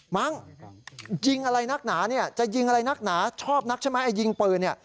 ม้างยิงอะไรนักหนาจะยิงอะไรนักหนาชอบนักใช่ไหมยิงปืน